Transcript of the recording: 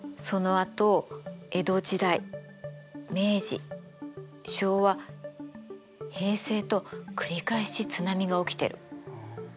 そのあと江戸時代明治昭和平成と繰り返し津波が起きてる。